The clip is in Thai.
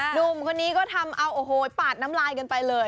หนุ่มคนนี้ก็ทำเอาโอ้โหปาดน้ำลายกันไปเลย